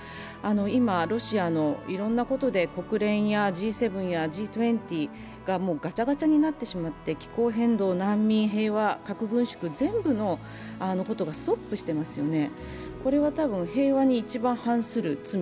今、ロシアのいろんなことで国連やＧ７やＧ２０がもうガチャガチャになってしまって、気候変動、難民、平和、核軍縮、全部のことがストップしていますよね。